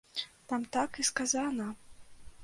Там так і сказана!